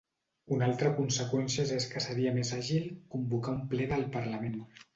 Una altra conseqüències és que seria més àgil convocar un ple del parlament.